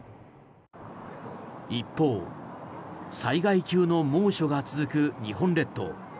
一方、災害級の猛暑が続く日本列島。